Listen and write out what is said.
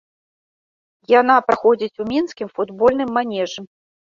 Яна праходзіць у мінскім футбольным манежы.